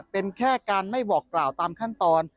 เป็นแค่การไม่บอกกล่าวตามขั้นตอน